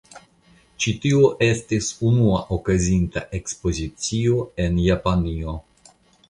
Ĉi tio estis unua okazinta Ekspozicio en Japanio.